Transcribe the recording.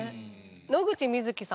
野口みずきさん